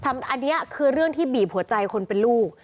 อันนี้คือเรื่องที่บีบหัวใจคนเป็นลูก